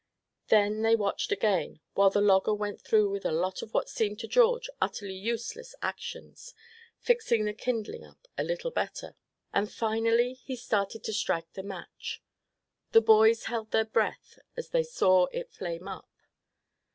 Then they watched again, while the logger went through with a lot of what seemed to George utterly useless actions, fixing the kindling up a little better. And finally he started to strike the match. The boys held their breath as they saw it flame up.